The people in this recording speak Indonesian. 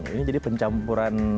ini jadi pencampuran